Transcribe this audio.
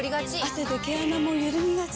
汗で毛穴もゆるみがち。